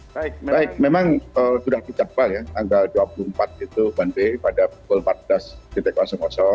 baik baik memang sudah dicapbal ya tanggal dua puluh empat itu one way pada pukul empat belas